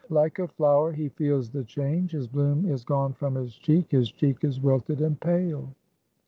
Like a flower he feels the change; his bloom is gone from his cheek; his cheek is wilted and pale.